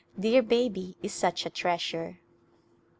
Dear baby is such a treasure.